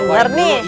oh nyobain dulu